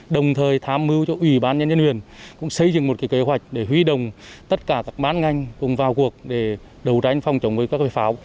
đồng thời tham mưu cho ủy ban nhân dân huyền cũng xây dựng một kế hoạch để huy đồng tất cả các bán ngành cùng vào cuộc đấu tranh phong trọng về pháo